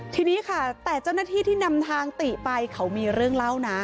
ทีนี้ค่ะแต่เจ้าหน้าที่ที่นำทางติไปเขามีเรื่องเล่านะ